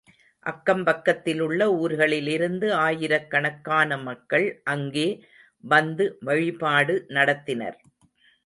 அக்கம் பக்கத்திலுள்ள ஊர்களிலிருந்து ஆயிரக்கணக்கான மக்கள் அங்கே வந்து வழிபாடு நடத்தினர்.